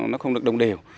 nó không được đồng đều